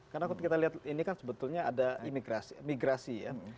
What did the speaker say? karena kalau kita lihat ini kan sebetulnya ada imigrasi ya